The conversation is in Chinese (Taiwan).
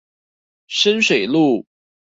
深水路